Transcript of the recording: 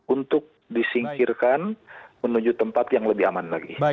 untuk disingkirkan menuju tempat yang lebih aman lagi